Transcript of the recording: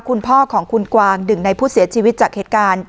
คุณพ่อของคุณกวางหนึ่งในผู้เสียชีวิตจากเหตุการณ์